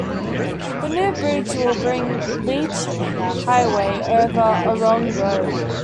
The new bridge will bring Leach Highway over Orrong Road.